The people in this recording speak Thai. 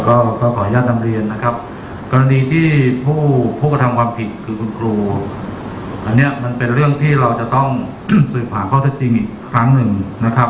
ก็ขออนุญาตนำเรียนนะครับกรณีที่ผู้กระทำความผิดคือคุณครูอันนี้มันเป็นเรื่องที่เราจะต้องสืบหาข้อเท็จจริงอีกครั้งหนึ่งนะครับ